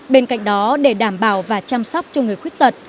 bên cạnh đó để đảm bảo và chăm sóc cho người khuyết tật